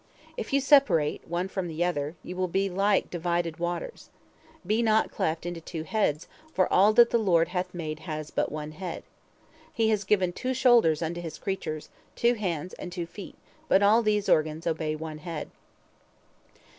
If you separate, one from the other, you will be like divided waters. Be not cleft into two heads, for all that the Lord hath made has but one head. He has given two shoulders unto his creatures, two hands, and two feet, but all these organs obey one head."